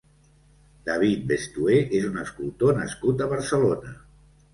David Bestué és un escultor nascut a Barcelona.